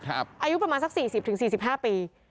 อายุประมาณสัก๔๐๔๕ปี